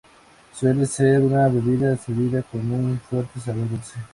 Suele ser una bebida servida con un fuerte sabor dulce.